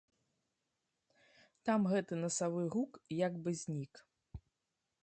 Там гэты насавы гук як бы знік.